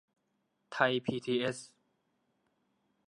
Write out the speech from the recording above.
ไทยพีบีเอส